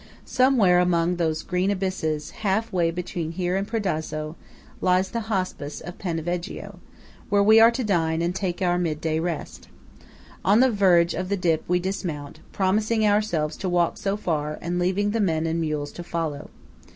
Somewhere among those green abysses, half way between here and Predazzo, lies the Hospice of Paneveggio, where we are to dine and take our mid day rest. On the verge of the dip we dismount, promising ourselves to walk so far, and leaving the men and mules to follow.